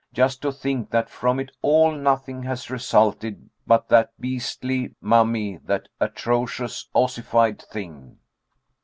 Just to think that from it all nothing has resulted but that beastly mummy, that atrocious ossified thing."